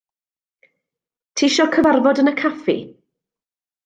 Tisio cyfarfod yn y caffi?